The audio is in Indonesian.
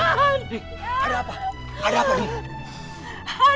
eh ada apa ada apa ri